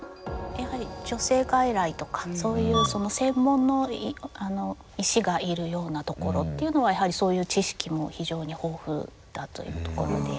やはり女性外来とかそういう専門の医師がいるようなところっていうのはそういう知識も非常に豊富だというところで。